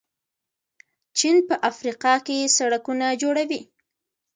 چین په افریقا کې سړکونه جوړوي.